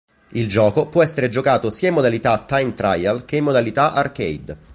Il gioco può essere giocato sia in modalità time trial che in modalità arcade.